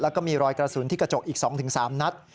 แล้วก็มีรอยกระสุนที่กระจกอีก๒๓นัด